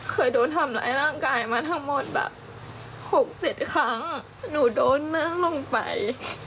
เคยโดนทำร้ายร่างกายมาทั้งหมดแบบ๖๗ครั้งหนูโดนหน้าลงไป